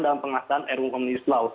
dalam pengasahan ruk law